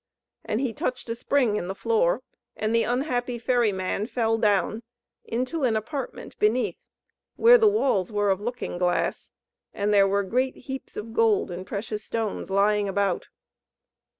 And he touched a spring in the floor, and the unhappy ferry man fell down into an apartment beneath, where the walls were of looking glass, and there were great heaps of gold and precious stones lying about.